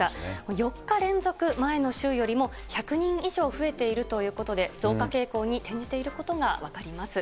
４日連続、前の週よりも１００人以上増えているということで、増加傾向に転じていることが分かります。